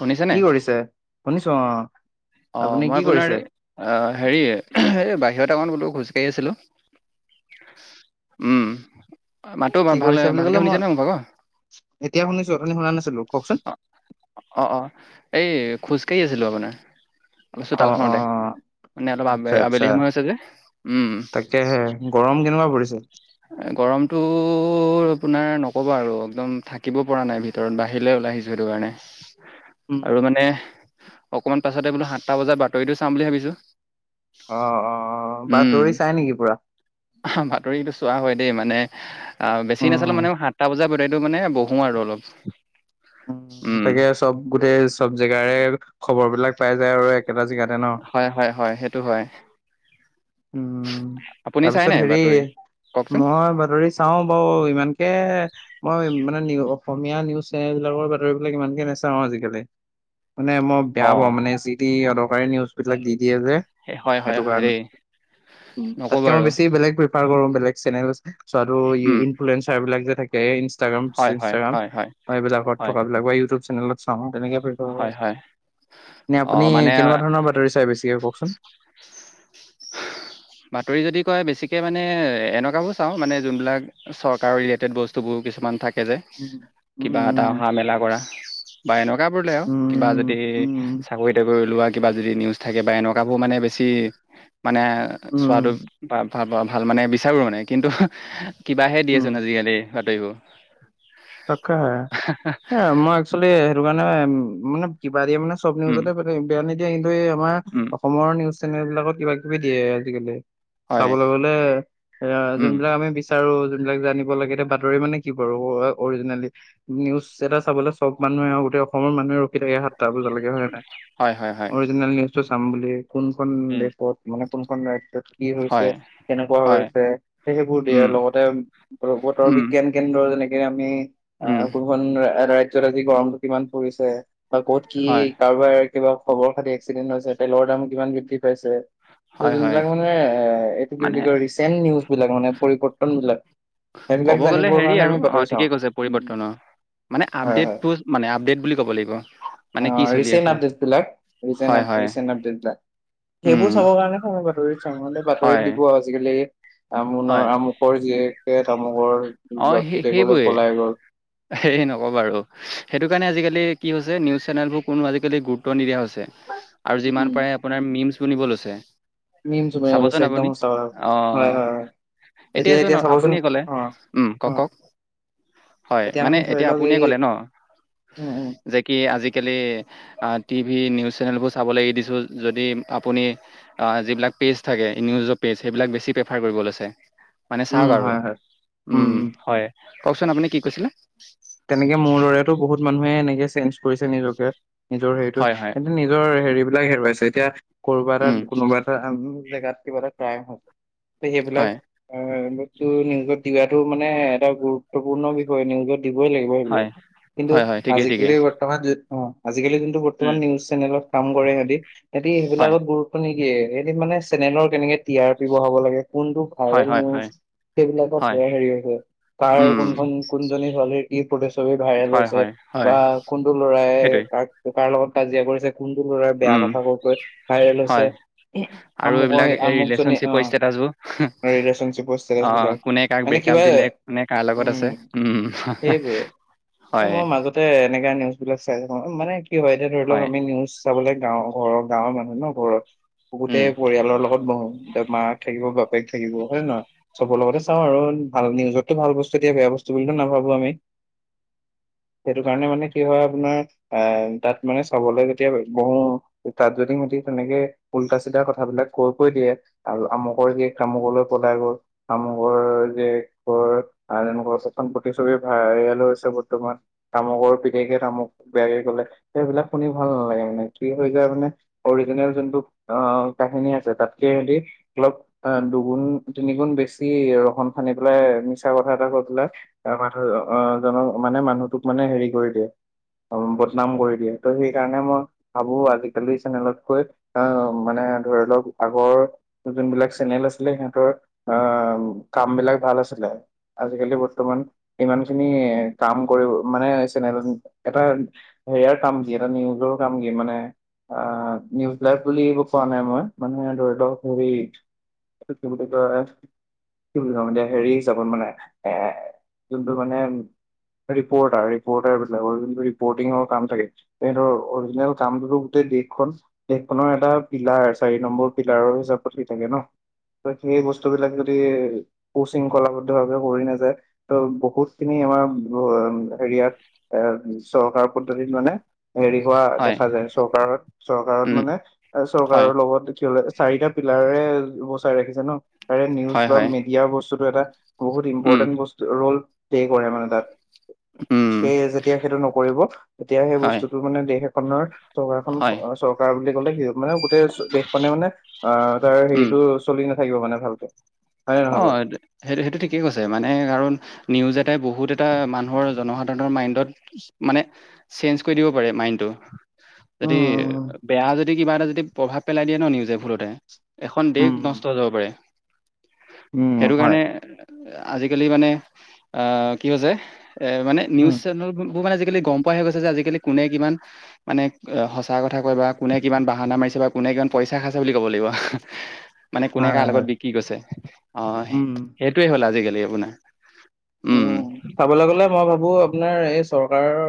শুনিছেনে? কি কৰিছে শুনিছো, আহ। অ, মই আপোনাৰ অ, হেৰি এই, বাই সিহঁত মান বোলো খোজকাঢ়ি আছিলো, উম। মাতটো কি ভা- ভালে কৰিছা বুলি ভালকে কলে, শুনিছে মই নহয় মোৰ ভাগৰ? এতিয়া শুনিছো, অতনি শুনা নাছিলো কওকচোন। অ', অ', এই খোজকাঢ়ি আছিলো আপোনাৰ অলপ অ', অ', চোতালখনতে অ'। মানে অলপ আবে আচ্ছা, আবেলি আচ্ছা সময় হৈছে যে। উম, তাকে গৰম কেনিবা পৰিছে? গৰমতটো আপোনাৰ নকবা আৰু একদম থাকিব পৰা নাই ভিতৰত বাঢাহিৰিলে আহিছো, সেইটো কাৰণে। উম, আৰু মানে অকমান পাছতে বোলো সাতটা বজাত বাতৰিটো চাম বুলি ভাবিছো। অ', অ', বাতৰি চাই নেকি পুৰা। বাতৰি গৈছে। চোৱা হয় দেই মানে অ, বেছি নাচালো উম মানে সাতটা বজাত বহো মানে বহো আৰু অলপ। উম, তাকে চব গোটেই চব জেগাৰে খবৰ বিলাক পাই যায় আৰু। একেটা জেগাতে ন। হয়, হয়, হয়, সেইটো হয়। উম, আপুনি চাই তাৰপিছত নাই হেৰি বাতৰি কওকচোন মই বাতৰি চাও বাৰু ইমান। ইমানকে মই মানে নি অসমীয়া নিউজ চেনেল বিলাকৰ বাতৰিবলাক ইমানকে নাচাওঁ আজিকালি। [unintelligible] মানে মই বেয়া অঁ পাওঁ, মানে চি ডি অদৰকাৰী নিউজ বিলাক দি দিয়ে যে হয় হয় সেইটো হয় কাৰণে। দেই নক'ব তাতকে মই আৰু বেছি বেলেগ প্ৰিফাৰ কৰো বেলেগ চেনেল চোৱাটো উম, ইনফ্লুৱেঞ্জাৰ বিলাক যে। থাকে, হয় ইনাগ্ৰ, হয় ইষ্টাগ্ৰাম হয় হয় এইবিলাকত হয় থকা বিলাক বা ইউটিউব চেনেলত। চ, তেনেকে হয় হয় নে, আপুনি অঁ মানে কেনেকুৱা ধৰণৰ বাতৰি চাই বেছিকে কওকচোন। [inaudible] উ। বাতৰি যদি কয়, বেছিকে মানে এনেকুৱাবোৰ চাওঁ মানে যোনবিলাক চৰকাৰৰ ৰিলেটেড বস্তুবোৰ। কিছুমান থাকে যে উম, কিবা এটা উম, অহা, মেলা কৰা বা এনেকা [unintelligible] আৰু উম, কিবা যদি উম, চাকৰি তাকৰি লোৱা কিবা যদি নিউজ থাকে বা এনেকুৱাবোৰ মানে বেছি মানে উম, চোৱাটো বা ভ ভাল মানে বিচাৰো মানে কিন্তু কিবাহে দিয়েচোন আজিকালি বাতৰিবোৰ। তাকে এ আমাৰ একচোৱেলি সেইটো কাৰণে মানে দিয়া মানে চব উম নিউজতে বেয়া নিদিয়া কিন্তু এই আমাৰ উম অসমৰ নিউজ চেনেল বিলাকত কিবা কিবি দিয়ে আজিকালি হয় চাবলৈ গলে এ যোনবিলাক আমি চাৰো যোনবিলাক জানিব লাগে বাতৰি মানে কি বাৰু অৰিজিনেলি নিউজ এটা চাবলৈ সব মানুহে আৰু গোটেই অসমৰ মানুহে ৰখি থাকে হাত তোৰ জালকে হয় নাই অৰিজিনেল নিউজ চাম বুলি কোনখন দেশত মানে কোনখন কি হৈছে কেনেকুৱা হৈছে সেইবোৰ দিয়ে লগতে বতৰ বিজ্ঞান কেন্দ্ৰ যেনেকে আমি আহ কোনোখন ৰাজ্যত আজি গৰমটো কিমান পৰিছে। বা ক'ত কি কাৰোবাৰ কিবা খবৰ খাতি এক্সিডেণ্ট হৈছে তেলৰ দাম কিমান বৃদ্ধি পাইছে ত যোনবিলাক মানে এ এইটো কি মানে বুলি কয় ৰিচেন্ট নিউজ বিলাক মানে পৰিৱৰ্তন বিলাক সেইবিলাক জানিবৰ কাৰণে আমি বাতৰি চাওঁ। উম, পৰিবৰ্তনৰ মানে হয় হয় আপডেট মানে আপডেট বুলি ক'ব লাগিব। মানে কি অ', চলি ৰিচেণ্ট আছে। আপডেট বিলাকচ হয়, হয়। ৰিচেণ্ট আপডেট বিলাক উম, সেইবোৰ চাব কাৰণে আম বাতৰিত চাওঁ মে বাতৰিত হয়, দিব আজিকালি আমোনৰ হয়। আমুকৰৰ জীয়েকে তামুকৰ পিতেকলৈ পলাই গ'ল সে নকবা আৰু সেইটো কাৰণে আজিকালি কি হৈছে নিউজ চেনেলবোৰ কোনো আজিকালি গুৰুত্ব নিদিয়া হৈছে আৰু যিমান উম, পাৰে আপোনাৰ মি'মছ বনিব লৈছে। মিম চুমে চাবচোন ওলাইছে একদম আপুনি সঁচা কথা অ', হয় অ'। হয় হয় এতিয়া জোন আপুনিয়ে কলে উম অ কওক কক হয় মানে ধৰি এতিয়া লওক এই আপুনিয়ে ক'লে ন উম উম যে কি আজি কেলে টিভি নিউজ চেনেল বোৰ চাবলৈ এৰি দিছো যদি আপোনি যি বিলাক পেইজ থাকে নিউজৰ পেইজ সেইবিলাক ৰেইফাৰ কৰিব লৈছে। মানে উম চাওক আৰু হয় হয় উম হয় কওকচোন আপুনি কি কৈছিলে। তেনেকে মোৰ দৰেতো বহুত মানুহে এনেকে চেঞ্জ কৰিছে নিজকে। নিজৰ হেৰিটো হয় হয় এন্ত নিজৰ হেৰি বিলাক হেৰুৱাইছে এতিয়া কৰবা এটা উম কোনোবা এটা জেগাত কিবা এটা ট্ৰাই সেইবিলাক হয় অ' টো নিউজত দিয়া টো মানে এটা গুৰুত্বপূৰ্ণ বিষয় নিউজত দিবয়ে লাগিব হয় এইবিলাক কিন্তু হয় হয় ঠিকেই আজিকালি ঠিকেই বৰ্তমান যিটো আজিকালি যোনটো উম বৰ্তমান নিউজ চেনেলত কাম কৰে সিহ সিহঁতি হয় সেইবিলাকত গুৰুত্ব নি এদিন মানে চেনেলৰ কেনেকে টি আৰ পি বঢ়াব লাগে কোনটো হয় ভাইৰেল হয় নিউজ হয় সেইবিলাকত হয় হেৰিছে কাৰ উম কোনখন কোনজনী ই প্ৰতি্ছবি ভাইৰেল হয় হৈছে হয় হয় বা কোনটো ল'ৰাই সেইটোৱে কাৰ কাৰ লগত কাজিয়া কৰিছে কোনটো ল'ৰাৰ বেয়া উম কথা কৈ কৈ ভাইৰেল হৈছে হয় আৰু আমুক এইবিলাক এই আমুকজনী অ ৰিলেচনশ্বিপৰ ষ্টেটাচ বোৰ ৰিলেশ্যনশ্বিপৰ ষ্টেটাচ অ', বিলাক কোনে কাক বে মানে কিবা ব্ৰেকাপ দিলে মানে কাৰ লগত আছে উম সেইবোৰেই এ হয় মই মাজতে এনেকা নিউজ বিলাক চাই থাকো মানে কি হয় এতিয়া ধৰি লওক আমি নিউজ চাবলৈ গাৱৰ ঘৰৰ গাঁৱৰ মানুহ ন ঘৰৰ বহুতে উম, পৰিয়ালৰ লগত বহো এতিয়া মাক থাকিব বাপেক থাকিব হয়নে নহয় চবৰ লগতে চাওঁ আৰু ভাল নিউজততো ভাল বস্তুয়ে দিয়ে বেয়া বস্তু ব বুলি টো নাভাবো আমি [inaudible] সেইটো কাৰণে মানে কি হয় আপোনাৰ আহ তাত মানে চাবলৈ যেতিয়া বহো তাত যদি সি তেনেকে উল্টা চিলা কথাবিলাক কৈ কৈ দিয়ে আৰু আমুকৰ ক তামুকলৈ পলাই গ'ল আমুকৰ জীয়েকৰ [unintelligible] চেতম চবি ভাইৰেল হৈছে বৰ্তমান তামুকৰ পিতেকে তামুক বেয়া কে কলে সেইবিলাক শুনি ভাল কি হৈ য মান অৰিজিনেল যোনটো অ', কাহিনী আছে তাতকে স অ, দুগুণ, তিনি গুণ বেছি ৰহন সানি পেলাই মিছা কথা এটা কৈ পেলাই। মানুহ জনক, মানে মানুহটোক মানে হেৰি কৰি দিয়ে। অ, বদনাম কৰি দিয়ে। ত' সেইকাৰণে মই ভাবো আজিকালি চেনেলতকৈ আহ মানে। যা, ধৰিলক আগৰ জোন বিলাক চেনেল আছিল সিহতৰ অ, কাম বিলাক ভাল আছিলে। ছলতে আজিকালি বৰ্তমান ইমান খিনি কাম কৰিব মানে, চেনেল এটা হেয়াৰ কাম যি এটা নিউজ। কাম কি মানে অ, নিউজ লাইভ বুলি এই কোৱা নাই মই মানে ধৰি লওক হেৰি এটো কি বুলি কয় কি বুলি কম এতিয়া হেৰি হিচাপত মানে এ কিন্তু মানে ৰিপৰ্টাৰ, ৰিপৰ্টাৰ বিলাকৰ যিটো ৰিপৰ্টিঙৰ কাম থাকে, তেৰ অৰিজিনেল কামটো গোটেই দেশখন, দেশখনৰ এটা পিলাৰ চাৰি নম্বৰ পিলাৰৰ হিচাপত সি থাকে ন। ত, সেই বস্তু বিলাক যদি কো শৃংখলাবদ্ধ ভাৱে কৰি নাযায়। ত' বহুত খিনি আমাৰ ব হেৰিয়াত এ, চৰকাৰ পদ্ধতিত মানে হেৰি হোৱা হয়, দেখা যায়। চৰকাৰত, চৰকাৰ উম, মানে, হয়, চৰকাৰৰ লগত চাৰিটা পিলাৰ বচাই ৰাখিছে ন, তাৰে নিউজ হয়, বা হয়, মিডিয়াৰ বস্তুতটো এটা বহুত উম, ইম্পৰ্টেণ্ট বস্তু ৰোল প্লে কৰে মানে তাত। উম, সেই যেতিয়া সেইটো নকৰিব, তেতিয়া সেই হয়, বস্তুটো মানে দেশ এখনৰ চৰকাৰখন, হয়, চৰকাৰ বুলি কলে কি হ'ব। মানে গোটেই দেশ মানে মানে অ, তাৰ উম, হেৰিতটো চলি নাথাকিব মানে ভালকে। হয় নে অ, নহয় বাৰু সেইটো, সেইটো ঠিকেই কৈছে মানে কাৰণ নিউজ এটাই বহুত এটা মানুহৰ জনসাধাৰণৰ মাইণ্ডত মানে চেঞ্জ কৰি দিব পাৰে মাইণ্ডটো। যদি উম বেয়া যদি কিবা এটা যদি প্ৰভাৱ পেলাই দিয়ে ন, নিউজে ভুলতে এখন, দেশ উম নষ্ট হৈ যাব পাৰে। উম উম হয় সেইটোকাৰণে, আজিকালি মানে আহ কি হৈছে? এ, মানে উম নিউজ চেনেলবোৰ মানে যে আজিকালি গম পোৱা আহে গৈছে যে আজিকালি কোনে কিমান মানে অ, সঁচা কথা কয় বা কোনে কিমান বাহানা মাৰিছে বা কোনে কিমান পইচা খাইছে বুলি ক'ব লাগিব। মানে কোনে হয় কাৰ হয় হয় লগত বিকি গৈছে আহ, উম সেইটোৱে হ'ল আজিকালি আপোনাৰ উম, চাবলৈ গলে মই ভাবো আপোনাৰ এই চৰকাৰৰ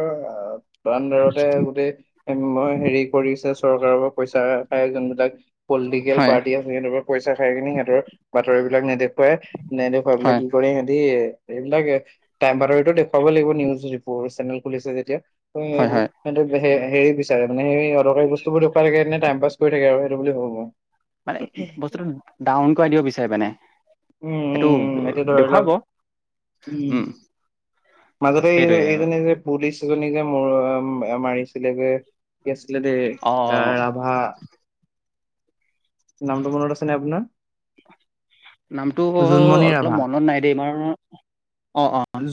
আনণ্ডাৰতে গোটেই হেৰি কৰিছে, চৰকাৰৰ পৰা পইচা খাই আছে, যোনবিলাক পলিটিকেল হয় পাৰ্টি আছে, সিহঁৰ পইচা খাই কিনে সিহঁতৰ বাতৰি এইবিলাক, নেদেখুৱাই, নেদেখুৱাই এইবিলাক হয় কি কৰে সিহতি এইবিলাক এ, টাইম [inaudible] সেইটো দেখুৱাব লাগিব, নিউজ চেনেল খুলিছে যেতিয়া। হয় হয় হেৰি বিচাৰে মানে অদৰকাৰী বস্তুোবোৰ দেখুৱাই থাকে, এনে টাইম পাছ কৰি থাকে আৰু সেইটো বুলি ভ'বো। মানে বস্তুতটো [inaudible] ডাউন কৰি দিব বিচাৰে মানে। উম, সেইটো উম, উম, এতিয়া ধৰি লওক দেখুৱাব, উম। মাজতে এই, সেইটোৱে এইজনী যে পুলিচ এজনী যে ম, মাৰিছিলে যে কি আছিল? আ, দে, অ আ, ৰাভা। নামটো মনত আছে নাই আপোনাৰ? নামটো, জোনমণি অলপ ৰাভা মনত নাই দেই আপোনাৰ?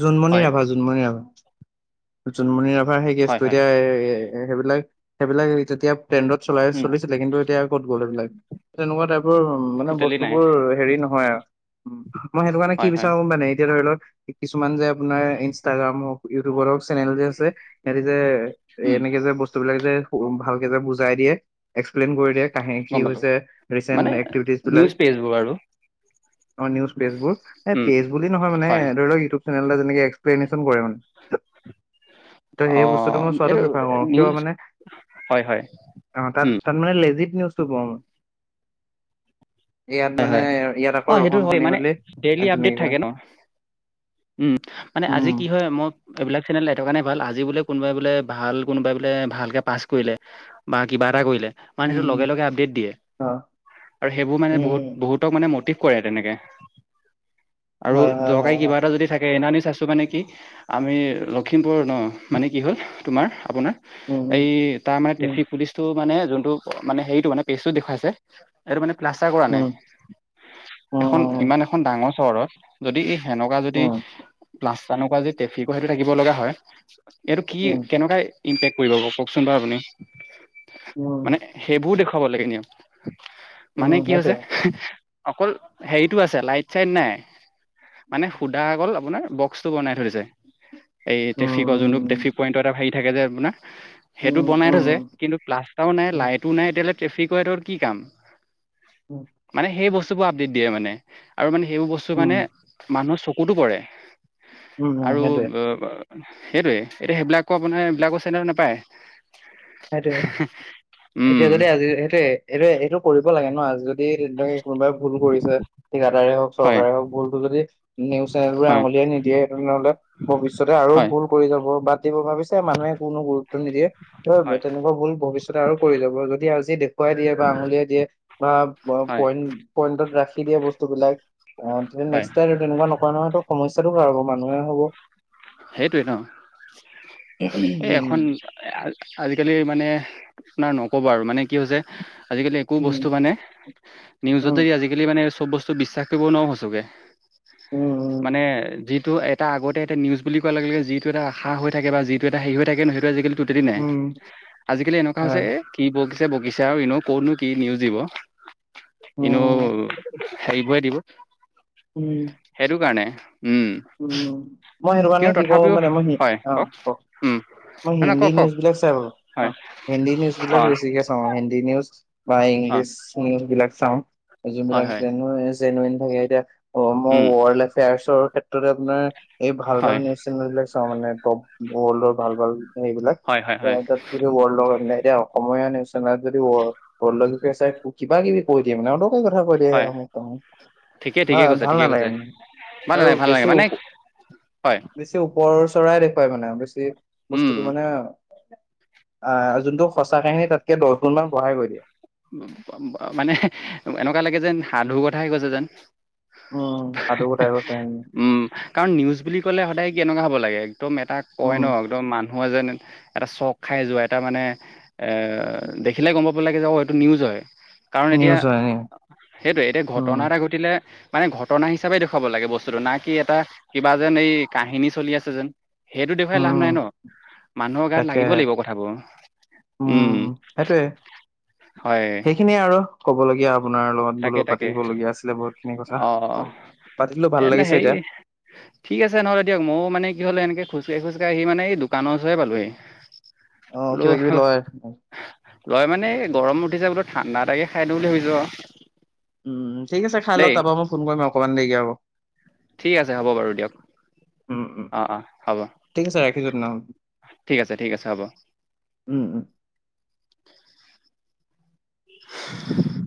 জুোনমণি ৰাভা, জোনমণি ৰাভা। জোনমনি ৰাভাৰ সেই কেছ হয় হয় এতিয়া এ, সেইবিলাক, সেইবিলাক তেতিয়া ট্ৰেণ্ডত চলাই উম চিছিলে, কিন্তু এতিয়া ক'ত গ'ল সেইবিলাক তেনেকুৱাই টাইপৰ। বস্তুবোৰ উম, মানে টোটেলি নাই বস্তুবোৰ হেৰি নহয়, আৰু উম, মই সেইটো কাৰণে হয় কি হয় বিচাৰো মানে এতিয়া ধৰি লওক কিছুমান যে আপোনাৰ ইনষ্টাগ্ৰাম হওক ইউটিউবৰ হওক চেনেল যে আছে সিহঁতে যে উম এনেকে যে বস্তু বিলাক যে ভালকে যে বুজাই দিয়ে। এক্সপ্লেন কৰি দিয়ে কাহিনী কি গম পালো হৈছে ৰিচেণ্ট মানে এক্টিভিটিছবিলাক। নিউজ পেজবোৰ আৰু অ, নিউজ পেজোৰ এ, উম পেজ বুলি নহয় মানে হয় ইউটিউব চেনেলবোৰ এক্সপ্লনেচন কৰে মানে ত' অ সেই বস্তুটো মই চোৱাটো এইটো প্ৰিফাৰ কৰো কিয় নিউজ মানে হয় হয় অ', তাত, উম তাত মানে লেজিক নিউজটো। [inaudible] ইয়াত মানে হয়, ইয়াত আকৌ অ', সেইটো ৰহন হয়, সানি মানে মেলি ডেইলি আপডেট তেনেকে কয় থাকে ন। উম, মানে আজি উম। কি হয় মই এইবিলাক চেনেলে সেইটো কাৰণে ভাল আজি বোলে, কোনোবাই বোলে ভাল কোনোবাই বোলে ভালকে পাছ কৰিলে বা কিবা এটা কৰিলে মানে সেইটো উম লগে- লগে আপডেট দিয়ে, অ' আৰু সেইবোৰ মানে বহুত উম আৰু মতিভ কৰে তেনেকে, আৰু হয় হয় দৰকাৰী হয় কিবা হয় এটা যদি থাকে সেদ চাইছোঁ মানে কি আমি লখিমপুৰ ন মানে কি হ'ল তোমাৰ আপোনাৰ উম এই তাৰ মানে উম ট্ৰেফিক পুলিচতটো মানে যোনটো মানে হেৰিতটো মানে, পেজতটো দেখুৱাইছে, এইটো মানে প্লাষ্টাৰ কৰা নাই। উম। উম এখন ইমান এখন ডাঙৰ চহৰত যদি সেনেকুৱা যদি উম প্লাষ্টাৰ নকৰা যদি ট্ৰেফিকো সেইটো থাকিব লগা হয় এইটো কি উম কেনেকুৱাই ইম্পেক্ট পৰিব বাৰু কওকচোন বাৰু আপুনি, উম মানে সেইবোৰ দেখুৱাব লাগে নিয়ম মানে উম, কি হৈছে সেইটোৱে। অকল হেৰিতটো আছে, লাইট চাইট নাই। মানে সুধা অকল আপোনাৰ বক্সটো বনাই থৈ দিছে। এই ট্ৰেফিকৰ যোনটো উম ট্ৰেফিক পইন্টটো এটা হেৰি থাকে যে আপোনাৰ সেইটো উম বনাই উম থৈছে, কিন্তু প্লাষ্টাৰও, নাই উম লাইটো, নাই এতিয়ালৈ ট্ৰেফিকৰ এইটোত কি কাম? [inaudible] মানে সেই বস্তুবোৰ আপডেট দিয়ে মানে আৰু মানে সেইবোৰ বস্তু উম মানে মানুহৰ চকুতো পৰে। উম উম আৰু সেইটোৱে সেইটয়ে এতিয়া সেইবিলাকো আপোনাৰ এইবিলাকো চেনে নাপায়। সেইটো এতিয়া উম যদি আজি সেইটোয়ে এইটোয়ে এইটো কৰিব লাগে ন আজি যদি তেনেে কোনোবাই ভূল কৰিছে ঠিকাদাৰে হওক হয় চৰকাৰে হওক ভূলতটো যদি নিউজ চেনেল বোৰে হয় আঙুলিয়াই নিদিয়ে সেই তেনেহলে ভৱিষ্যতে আৰু হয় ভুল কৰি যাব বতিব ভাবিছে মানুহে কোনো গুৰুত্ব নিদিয়ে। ত হয় তেনেকুৱা ভুল ভৱিষ্যতে আৰু কৰি যাব যদি আজি দে খুৱাই দিয়ে বা আঙুলিয়াই দিয়ে বা হয় পইণ্ পইণ্টত ৰাখি দিয়ে বস্তুবিলাক অ', তেতিয়া হয় নেক্সটাইম তেনেকুৱা নকৰে নহয় তো সমস্যাাতটো কাৰ হ'ব মানুহে হ'ব। সেইটোয়ে ন এই উম এখন আজিকালি মানে আপোনাৰ নক'ব আৰু মানে কি হৈছে আজিকালি একো উম বস্তু মানে নিউজত উম উম যদি আজিকালি মানে চব বস্তু বিশ্বাস কৰিব নোৱাৰা সঁচাকে উম মানে যিটো এটা আগতে এটা নিউজ বুলি কোৱাৰ লগে যিটো এটা আশা হৈ থাকে বা যিটো এটা হেৰি হৈ থাকে সেইটো আজিকালি টোটেলি নাই উম আজিকালি এনেকুৱা হৈছে হয় এ কি ব বকিচে আৰু এনে কৰ কি কিনো কি নিউজ দিব এনো উম হেৰিবই দিব উম সেইটো কাৰণে, উম। মই সেইটো কাৰণে কিন্তু কি ক তথাপিও মানে মই সি হয় অ', কওক ক উম মই নহয় নহয় হিন্দী কওক কওক নিউজ বিলাক চাই ভা হয় অ' হিন্দী নিউজ বিলাক অ বেছিকে চাও হিন্দী নিউজ। বা অ ইংলিছ নিউজ বিলাক চাওঁ যোন হয় বিলাক হয় জেনুইন থাকে এতিয়া অ', মই উম ৱৰ্ল্ড এফেয়াৰ্চৰ ক্ষেত্ৰতে আপোনাৰ এই ভাল ভাল হয় নিউজ চেনেল বিলাক মানে টপ ৱৰ্ল্ডৰ ভাল ভাল এই বিলাক হয় হয় হয় তাত খু ৱৰ্ল্ড লগ এতিয়া অসমৰে নিউজ যদি ৱৰ্ল্ডৰ বিষয়ে চাই কিবা কিবি কৈ দিয়ে মানে অলপ সেই কথা কৈ দিয়ে হয় অমুক তমুক ঠিকেই ঠিকেই হয় কৈছে ভাল ঠিকেই নালাগে কৈছে মান ভাল আৰু নালাগে ভাল বেছি নালাগে মানে হয় বেছি ওপৰ চৰাই দেখুৱাই মানে বেছি উম বস্তুটো মানে অ', যোনটো সঁচা কাহিনী তাতকে দহ গুট মান বঢ়াই কৰি দিয়ে। মানে এনেকুৱা লাগে যেন সাধুৰ কথাহে কৈছে যেন [unintelligible] উম, কাৰণ নিউজ বুলি ক'লে সদায় কেনেকুৱা হ'ব লাগে, একদম এটা কয় উম ন' একদম মানুহ এ যেন এটা চক খাই যোৱা, এটা মানে এ দেখিলে গম পাব লাগে যে অহ এইটো নিউজ হয়। কাৰণ এতিয়া নিউজ হয় নি? সেইটয়ে, এতিয়া ঘটনা উম এটা ঘটিলে। মানে ঘটনা হিচাপে দেখুৱাব লাগে বস্তুটো, না কি এটা কিবা যেন এই কাহিনী চলি আছে যেন। সেইটো দেখুৱাই লাভ নাই উম ন' মানুহৰ গাত তাকে লাগিব লাগিব কথাবোৰ। উম। হয় সেইখিনিয়ে আৰু কবলগীয়া। আপোনাৰ লগত বোলো, তাকে তাকে পাতিব লগীয়া আছিলে বহুতখিনি কথা। পাতিলো ভাল তেন্ত লাগিছে এতিয়া হেৰি ঠিক আছে নহ'লে দিয়ক। মই মানে কি হ'লে এনেকে খোজকাঢ়ি-খোজকাঢ়িন আহি এই দোকানৰ ওচৰে পালোঁ আহি। অহ, কিবা-কিবি লয়। লয় মানে এই গৰম উঠিছে বোলো, ঠাণ্ডা এটাকে খাই দিওঁ বুলি ভাবিছোঁ আৰু। উম, ঠিক আছে খাই লওঁক, দেই তাৰপৰা মই ফোন কৰিম অকমান দেৰিকে আৰু। ঠিক আছে হ'ব বাৰু দিয়ক। অহ', অহ' হ'ব। [unintelligible] নাম ঠিক আছে, ঠিক আছে হ'ব। উম উম [unintelligible]